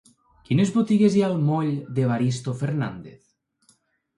Quines botigues hi ha al moll d'Evaristo Fernández?